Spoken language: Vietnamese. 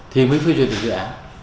thì mới phê duyệt dự án